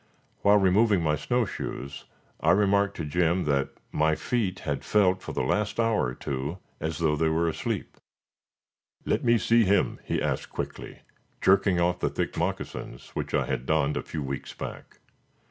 While removing my snow shoes, I remarked to Jim that my feet had felt for the last hour or two as though they were asleep. "Let me see him," he asked quickly, jerking off the thick moccasins which I had donned a few weeks back.